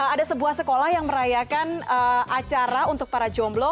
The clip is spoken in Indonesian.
ada sebuah sekolah yang merayakan acara untuk para jomblo